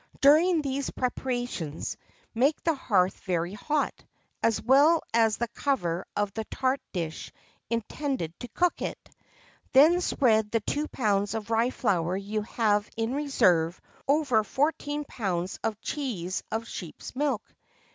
During these preparations, make the hearth very hot, as well as the cover of the tart dish intended to cook it. Then spread the two pounds of rye flour you have in reserve over fourteen pounds of cheese of sheep's milk.